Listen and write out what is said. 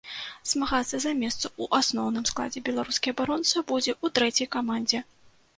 Змагацца за месца ў асноўным складзе беларускі абаронца будзе ў трэцяй камандзе.